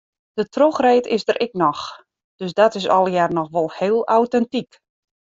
De trochreed is der ek noch, dus dat is allegear noch wol heel autentyk.